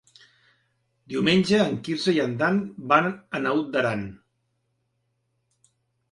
Diumenge en Quirze i en Dan van a Naut Aran.